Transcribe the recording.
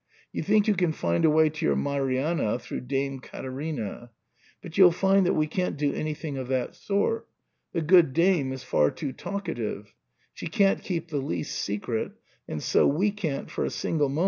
You think you can find a way to your Marianna through Dame Caterina. But you'll find that we can't do any thing of that sort ; the good dame is far too talkative ; she can't keep the least secret, and so we can't for a single moment think of employing her in this business.